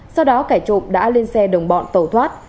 sau đó cải trộm đã lên xe đồng bọn tẩu thoát